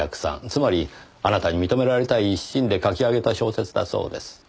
つまりあなたに認められたい一心で書き上げた小説だそうです。